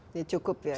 ini cukup ya